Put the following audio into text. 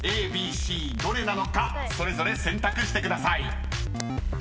［ＡＢＣどれなのかそれぞれ選択してください］